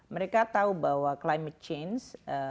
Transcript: mereka tahu bahwa climate change